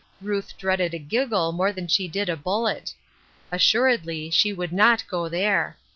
Ruth dreaded a giggle more than she did a bullet. Assuredly, she would not go there